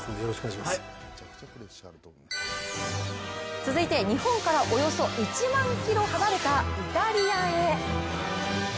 続いて、日本からおよそ１万キロ離れたイタリアへ。